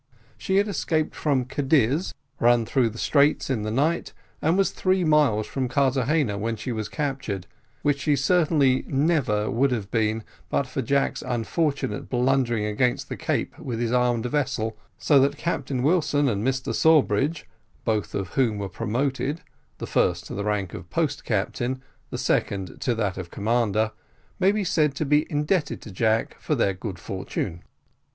She had escaped from Cadiz, run through the straits in the night, and was three miles from Carthagena when she was captured, which she certainly never would have been but for Jack's fortunately blundering against the cape with his armed vessel, so that Captain Wilson and Mr Sawbridge (both of whom were promoted, the first to the rank of post captain, the second to that of commander), may be said to be indebted to Jack for their good fortune.